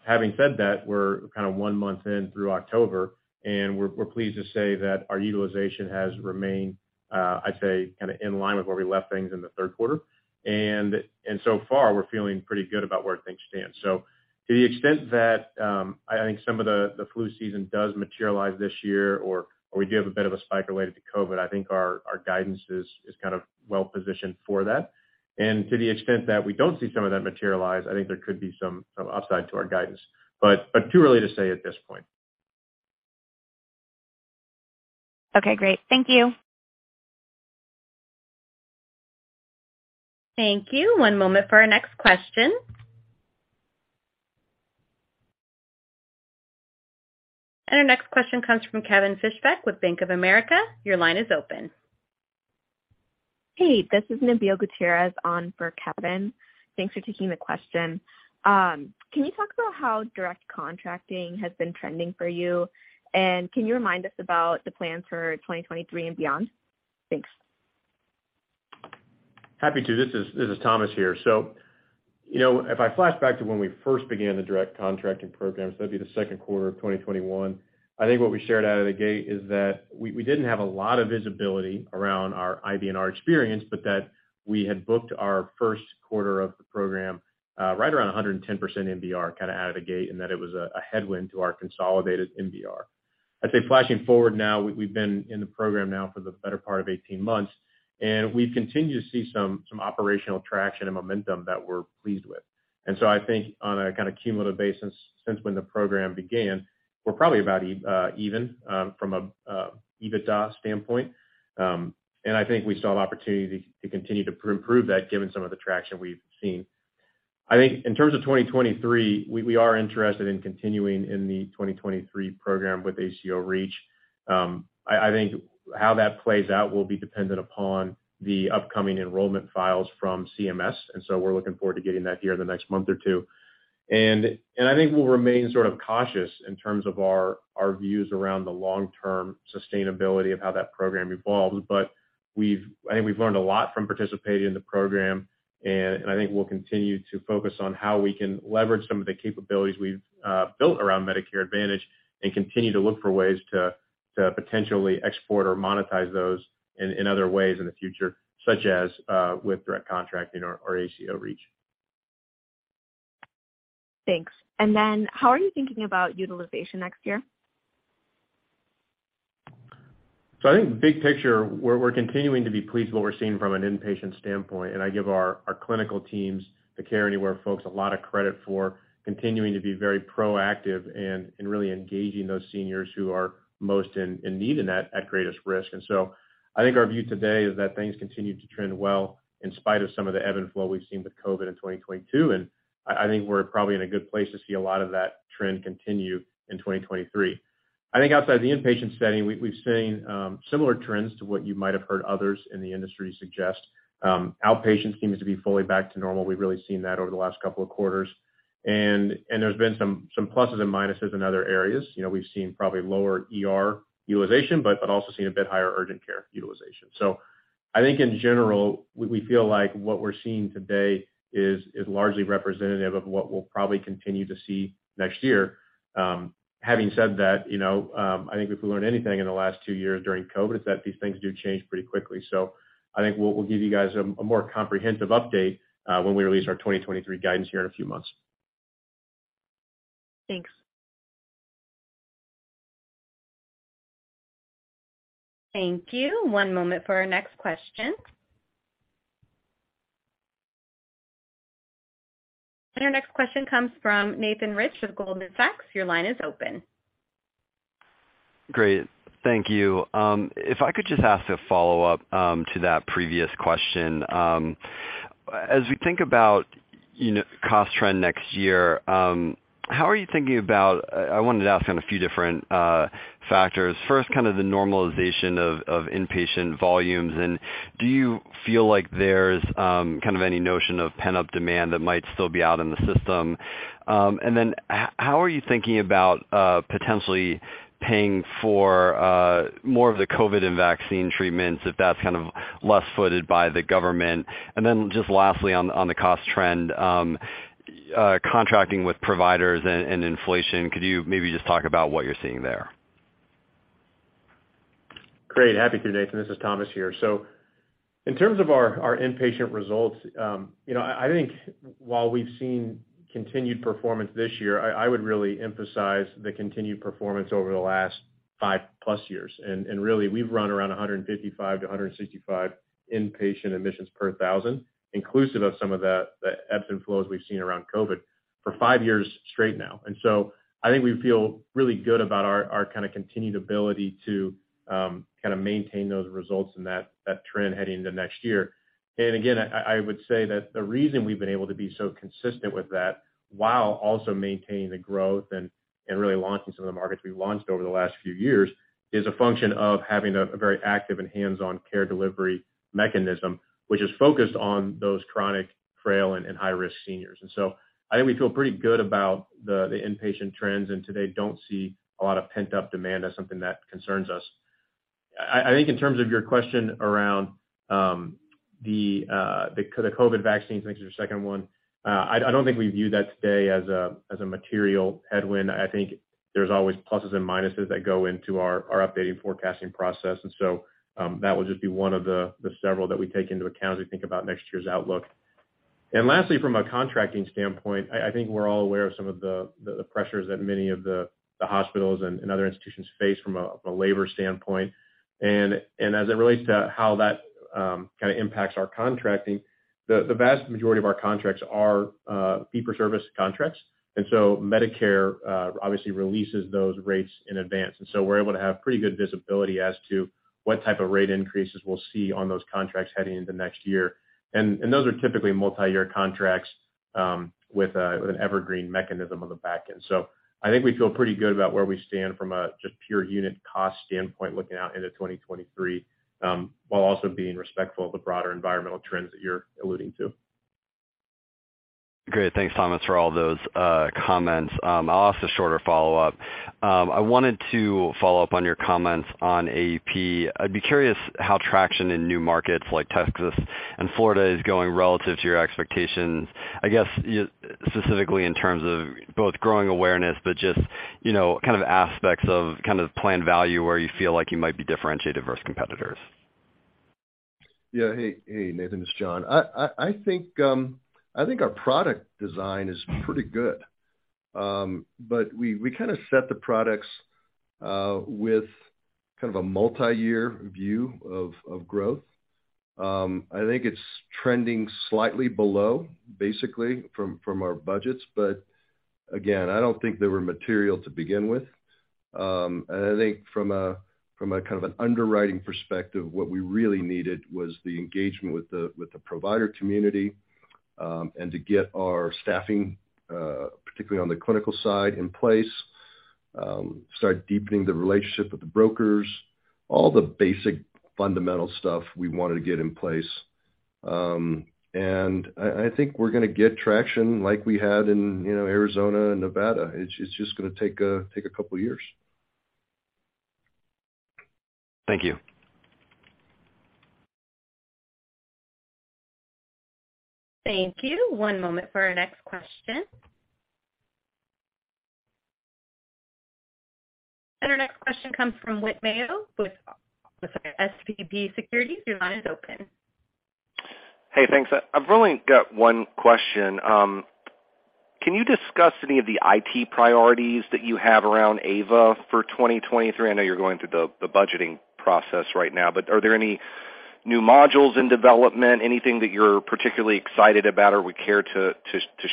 Having said that, we're kind of one month in through October, and we're pleased to say that our utilization has remained, I'd say, kind of in line with where we left things in the third quarter. So far, we're feeling pretty good about where things stand. To the extent that I think some of the flu season does materialize this year or we do have a bit of a spike related to COVID, I think our guidance is kind of well positioned for that. To the extent that we don't see some of that materialize, I think there could be some upside to our guidance, but too early to say at this point.
Okay, great. Thank you.
Thank you. One moment for our next question. Our next question comes from Kevin Fischbeck with Bank of America. Your line is open.
Hey, this is Nabil Gutierrez on for Kevin. Thanks for taking the question. Can you talk about how Direct Contracting has been trending for you? Can you remind us about the plans for 2023 and beyond? Thanks.
Happy to. This is Thomas here. You know, if I flash back to when we first began the Direct Contracting program, that'd be the second quarter of 2021. I think what we shared out of the gate is that we didn't have a lot of visibility around our IBNR experience, but that we had booked our first quarter of the program right around 110% MBR kinda out of the gate, and that it was a headwind to our consolidated MBR. I'd say flashing forward now, we've been in the program now for the better part of 18 months, and we continue to see some operational traction and momentum that we're pleased with. I think on a kind of cumulative basis since when the program began, we're probably about even from a EBITDA standpoint. I think we saw an opportunity to continue to improve that given some of the traction we've seen. I think in terms of 2023, we are interested in continuing in the 2023 program with ACO REACH. I think how that plays out will be dependent upon the upcoming enrollment files from CMS, and so we're looking forward to getting that here in the next month or two. I think we'll remain sort of cautious in terms of our views around the long-term sustainability of how that program evolves. I think we've learned a lot from participating in the program and I think we'll continue to focus on how we can leverage some of the capabilities we've built around Medicare Advantage and continue to look for ways to potentially export or monetize those in other ways in the future, such as with Direct Contracting or ACO REACH.
Thanks. How are you thinking about utilization next year?
I think big picture, we're continuing to be pleased with what we're seeing from an inpatient standpoint, and I give our clinical teams, the Care Anywhere folks, a lot of credit for continuing to be very proactive and really engaging those seniors who are most in need and at greatest risk. I think our view today is that things continue to trend well in spite of some of the ebb and flow we've seen with COVID in 2022, and I think we're probably in a good place to see a lot of that trend continue in 2023. I think outside the inpatient setting, we've seen similar trends to what you might have heard others in the industry suggest. Outpatient seems to be fully back to normal. We've really seen that over the last couple of quarters. There's been some pluses and minuses in other areas. You know, we've seen probably lower ER utilization, but also seen a bit higher urgent care utilization. I think in general, we feel like what we're seeing today is largely representative of what we'll probably continue to see next year. Having said that, you know, I think if we learned anything in the last two years during COVID, it's that these things do change pretty quickly. I think we'll give you guys a more comprehensive update when we release our 2023 guidance here in a few months.
Thanks.
Thank you. One moment for our next question. Our next question comes from Nathan Rich with Goldman Sachs. Your line is open.
Great. Thank you. If I could just ask a follow-up to that previous question. As we think about, you know, cost trend next year, how are you thinking about. I wanted to ask on a few different factors. First, kind of the normalization of inpatient volumes, and do you feel like there's kind of any notion of pent-up demand that might still be out in the system? And then how are you thinking about potentially paying for more of the COVID and vaccine treatments if that's kind of less funded by the government? And then just lastly on the cost trend, contracting with providers and inflation, could you maybe just talk about what you're seeing there?
Great. Happy to, Nathan. This is Thomas here. In terms of our inpatient results, I think while we've seen continued performance this year, I would really emphasize the continued performance over the last 5+ years. Really, we've run around 155 to 165 inpatient admissions per thousand, inclusive of some of the ebbs and flows we've seen around COVID, for 5 years straight now. I think we feel really good about our kind of continued ability to kind of maintain those results and that trend heading into next year.
I would say that the reason we've been able to be so consistent with that while also maintaining the growth and really launching some of the markets we've launched over the last few years is a function of having a very active and hands-on care delivery mechanism, which is focused on those chronic, frail, and high-risk seniors. I think we feel pretty good about the inpatient trends, and to date don't see a lot of pent-up demand as something that concerns us. I think in terms of your question around the COVID vaccines, I think it's your second one, I don't think we view that today as a material headwind. I think there's always pluses and minuses that go into our updating forecasting process.
That would just be one of the several that we take into account as we think about next year's outlook. Lastly, from a contracting standpoint, I think we're all aware of some of the pressures that many of the hospitals and other institutions face from a labor standpoint. As it relates to how that kind of impacts our contracting, the vast majority of our contracts are fee-for-service contracts. Medicare obviously releases those rates in advance. We're able to have pretty good visibility as to what type of rate increases we'll see on those contracts heading into next year. Those are typically multiyear contracts with an evergreen mechanism on the back end. I think we feel pretty good about where we stand from a just pure unit cost standpoint looking out into 2023, while also being respectful of the broader environmental trends that you're alluding to.
Great. Thanks, Thomas, for all those comments. I'll ask a shorter follow-up. I wanted to follow up on your comments on AEP. I'd be curious how traction in new markets like Texas and Florida is going relative to your expectations. I guess specifically in terms of both growing awareness, but just, you know, kind of aspects of kind of planned value where you feel like you might be differentiated versus competitors.
Yeah. Hey, Nathan, it's John. I think our product design is pretty good. We kind of set the products with kind of a multiyear view of growth. I think it's trending slightly below basically from our budgets. Again, I don't think they were material to begin with. I think from a kind of an underwriting perspective, what we really needed was the engagement with the provider community, and to get our staffing particularly on the clinical side in place, start deepening the relationship with the brokers, all the basic fundamental stuff we wanted to get in place. I think we're gonna get traction like we had in, you know, Arizona and Nevada. It's just gonna take a couple years.
Thank you.
Thank you. One moment for our next question. Our next question comes from Whit Mayo with SVB Securities. Your line is open.
Hey, thanks. I've really got one question. Can you discuss any of the IT priorities that you have around AVA for 2023? I know you're going through the budgeting process right now, but are there any new modules in development? Anything that you're particularly excited about or would care to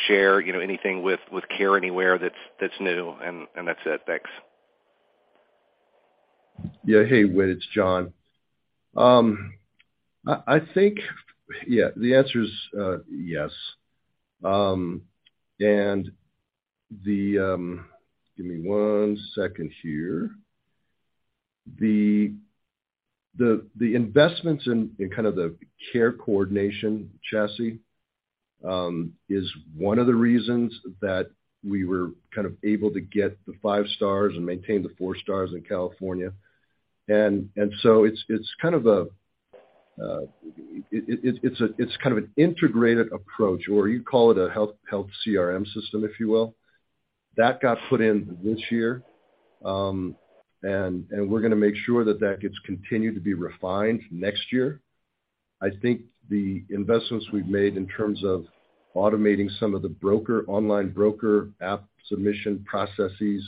share, you know, anything with Care Anywhere that's new? That's it. Thanks.
Yeah. Hey, Whit, it's John. I think, yeah, the answer is yes. Give me one second here. The investments in kind of the care coordination chassis is one of the reasons that we were kind of able to get the five stars and maintain the four stars in California. It's kind of an integrated approach or you'd call it a health CRM system, if you will. That got put in this year. We're gonna make sure that that gets continued to be refined next year. I think the investments we've made in terms of automating some of the broker, online broker app submission processes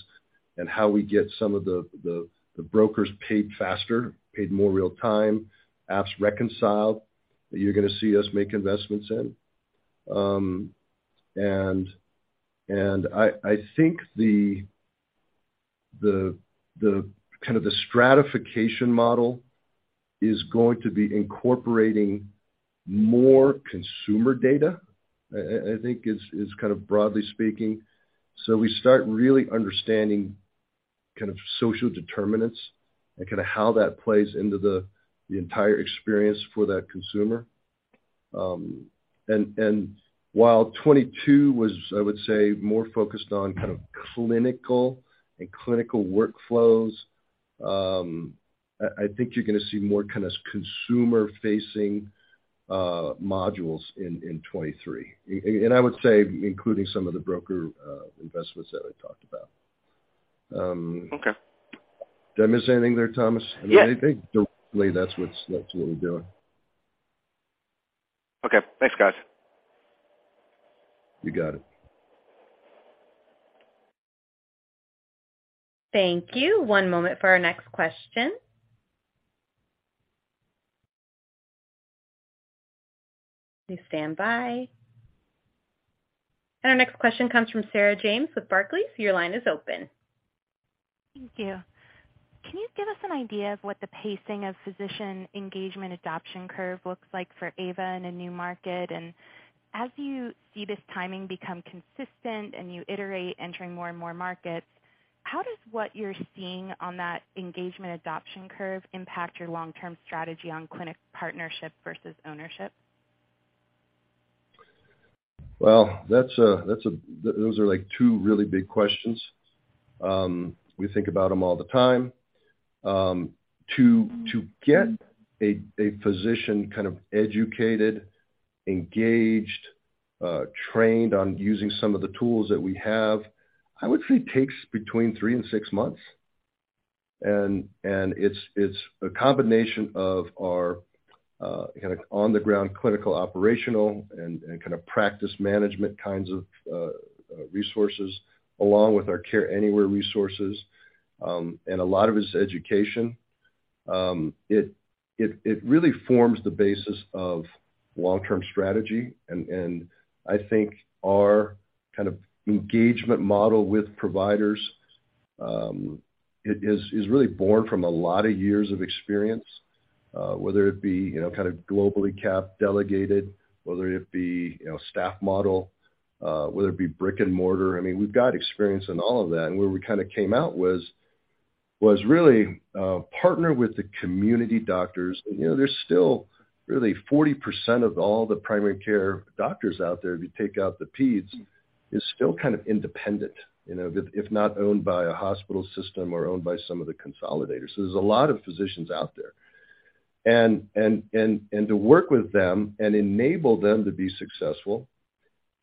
and how we get some of the brokers paid faster, more real time, apps reconciled. You're gonna see us make investments in. I think the stratification model is going to be incorporating more consumer data, I think is kind of broadly speaking. We start really understanding kind of social determinants and kinda how that plays into the entire experience for that consumer. While 2022 was, I would say, more focused on kind of clinical workflows, I think you're gonna see more kind of consumer-facing modules in 2023. I would say including some of the broker investments that we talked about. Okay. Did I miss anything there, Thomas? Yes. I mean, I think directly that's what we're doing.
Okay. Thanks, guys.
You got it.
Thank you. One moment for our next question. Please stand by. Our next question comes from Sarah James with Barclays. Your line is open.
Thank you. Can you give us an idea of what the pacing of physician engagement adoption curve looks like for AVA in a new market? As you see this timing become consistent and you iterate entering more and more markets, how does what you're seeing on that engagement adoption curve impact your long-term strategy on clinic partnership versus ownership?
Well, those are, like, two really big questions. We think about them all the time. To get a physician kind of educated, engaged, trained on using some of the tools that we have, I would say takes between three and six months. It's a combination of our kind of on-the-ground clinical, operational, and kind of practice management kinds of resources along with our Care Anywhere resources. A lot of it is education. It really forms the basis of long-term strategy. I think our kind of engagement model with providers is really born from a lot of years of experience, whether it be, you know, kind of globally capitated delegated, whether it be, you know, staff model, whether it be brick-and-mortar. I mean, we've got experience in all of that. Where we kind of came out was really partner with the community doctors. You know, there's still really 40% of all the primary care doctors out there, if you take out the peds, is still kind of independent, you know, if not owned by a hospital system or owned by some of the consolidators. There's a lot of physicians out there. And to work with them and enable them to be successful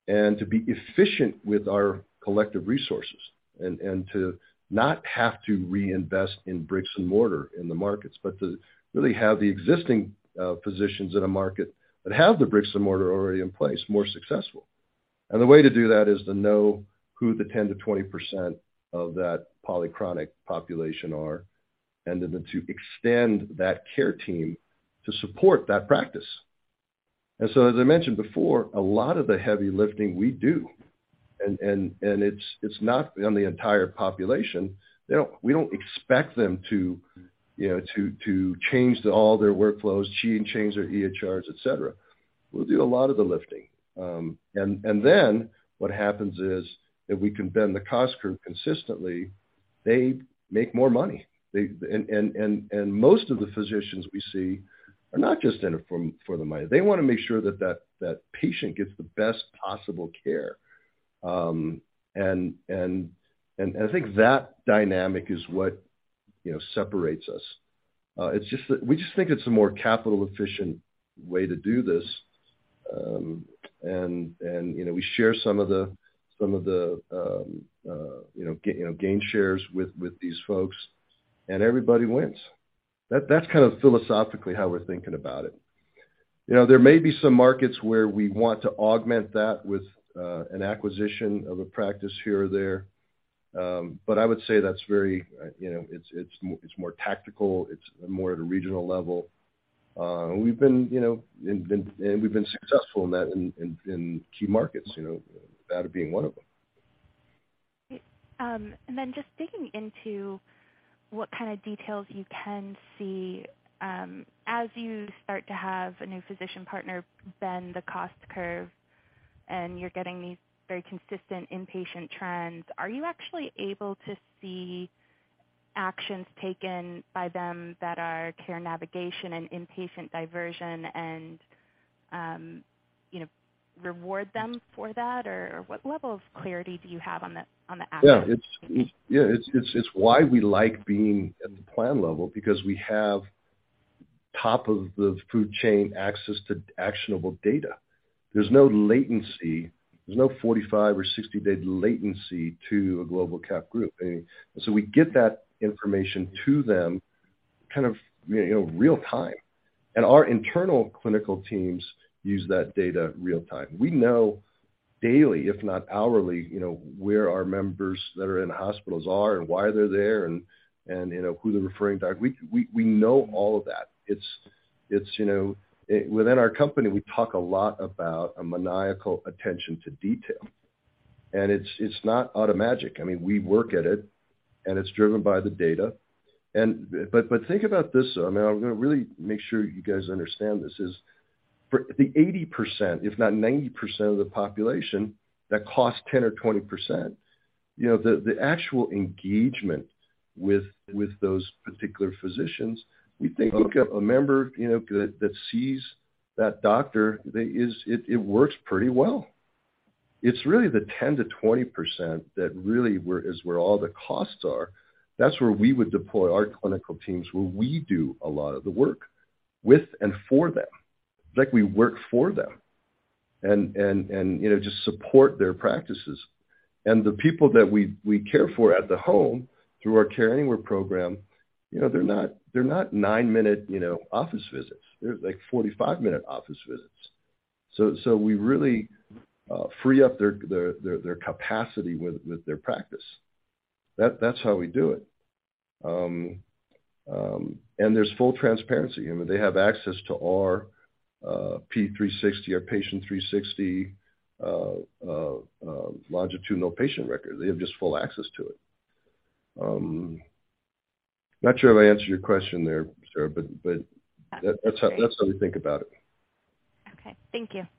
and to be efficient with our collective resources and to not have to reinvest in bricks and mortar in the markets, but to really have the existing physicians in a market that have the bricks and mortar already in place more successful. The way to do that is to know who the 10%-20% of that polychronic population are, and then to extend that care team to support that practice. As I mentioned before, a lot of the heavy lifting we do, and it's not on the entire population. We don't expect them to, you know, to change all their workflows, change their EHRs, et cetera. We'll do a lot of the lifting. Then what happens is if we can bend the cost curve consistently, they make more money. They, and most of the physicians we see are not just in it for the money. They wanna make sure that patient gets the best possible care. I think that dynamic is what, you know, separates us. It's just that we just think it's a more capital efficient way to do this. You know, we share some of the gain shares with these folks, and everybody wins. That's kind of philosophically how we're thinking about it. You know, there may be some markets where we want to augment that with an acquisition of a practice here or there. I would say that's very, you know, it's more tactical. It's more at a regional level. We've been successful in that in key markets, you know, that being one of them.
Great. Just digging into what kind of details you can see, as you start to have a new physician partner bend the cost curve, and you're getting these very consistent inpatient trends, are you actually able to see actions taken by them that are care navigation and inpatient diversion, and, you know, reward them for that? Or what level of clarity do you have on the outcome?
Yeah. It's why we like being at the plan level because we have top of the food chain access to actionable data. There's no latency. There's no 45- or 60-day latency to a global cap group. I mean, so we get that information to them kind of, you know, real time. Our internal clinical teams use that data real time. We know daily, if not hourly, you know, where our members that are in hospitals are and why they're there and, you know, who they're referring to. We know all of that. It's, you know, within our company, we talk a lot about a maniacal attention to detail. It's not out of magic. I mean, we work at it, and it's driven by the data. But think about this, I mean, I'm gonna really make sure you guys understand this, is for the 80%, if not 90% of the population that costs 10% or 20%, you know, the actual engagement with those particular physicians, we think a member, you know, that sees that doctor, it works pretty well. It's really the 10%-20% that really is where all the costs are. That's where we would deploy our clinical teams, where we do a lot of the work with and for them. In fact, we work for them and, you know, just support their practices. The people that we care for at the home through our Care Anywhere program, you know, they're not 9-minute, you know, office visits. They're, like, 45-minute office visits. We really free up their capacity with their practice. That's how we do it. There's full transparency. I mean, they have access to our P360, our Patient P360, longitudinal patient record. They have just full access to it. Not sure if I answered your question there, Sarah, but that's how we think about it.
Okay. Thank you.